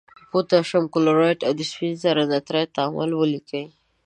د پوتاشیم کلورایډ او د سپینو زور نایتریت تعامل ولیکئ.